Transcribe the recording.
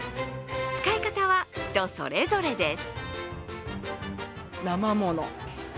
使い方は人それぞれです。